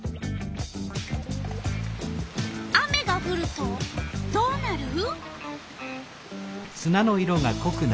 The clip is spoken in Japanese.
雨がふるとどうなる？